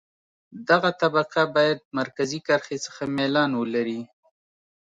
دغه طبقه باید له مرکزي کرښې څخه میلان ولري